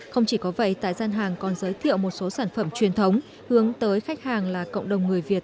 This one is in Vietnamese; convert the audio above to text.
không chỉ có vậy tại gian hàng còn giới thiệu một số sản phẩm truyền thống hướng tới khách hàng là cộng đồng người việt